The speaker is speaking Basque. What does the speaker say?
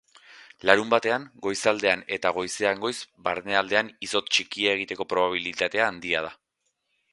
Larunbatean, goizaldean eta goizean goiz barnealdean izotz txikia egiteko probabilitatea handia da.